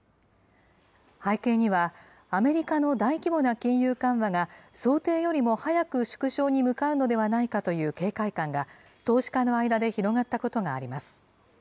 背景には、アメリカの大規模な金融緩和が想定よりも早く縮小に向かうのではないかという警戒感が、投資家の間で広がったことがあります。